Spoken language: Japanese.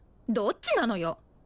どっちなのよ